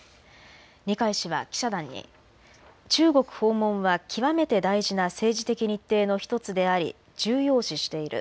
二階氏は記者団に中国訪問は極めて大事な政治的日程の１つであり重要視している。